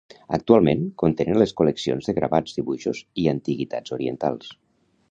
Actualment, contenen les col·leccions de gravats, dibuixos i antiguitats orientals.